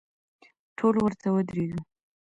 ټول ورته ودریدو.